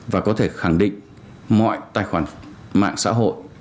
và có thể khẳng định mọi tài khoản mạng xã hội